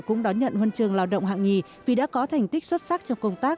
cũng đón nhận huân trường lao động hạng nhì vì đã có thành tích xuất sắc trong công tác